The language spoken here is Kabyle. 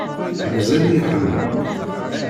Mazal-iyi ḥemmleɣ-k.